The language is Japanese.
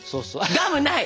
ガムない！